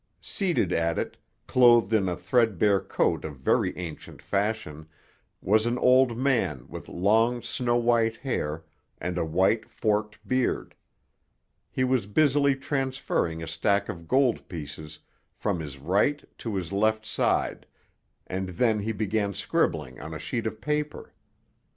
Seated at it, clothed in a threadbare coat of very ancient fashion, was an old man with long, snow white hair and a white, forked beard. He was busily transferring a stack of gold pieces from his right to his left side; and then he began scribbling on a sheet of paper.